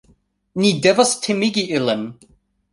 Ni devas timigi ilin